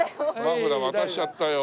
マフラー渡しちゃったよ。